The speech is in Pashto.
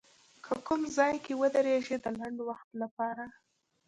که کوم ځای کې ودرېږي د لنډ وخت لپاره